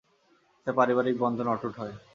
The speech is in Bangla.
এতে পারিবারিক বন্ধন অটুট হয়।